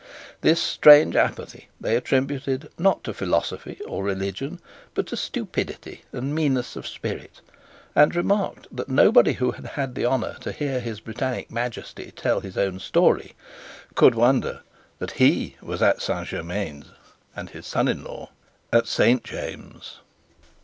This strange apathy they attributed, not to philosophy or religion, but to stupidity and meanness of spirit, and remarked that nobody who had had the honour to hear His Britannic Majesty tell his own story could wonder that he was at Saint Germains and his son in law at Saint James's.